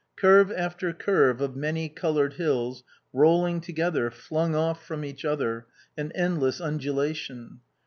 Curve after curve of many coloured hills, rolling together, flung off from each other, an endless undulation.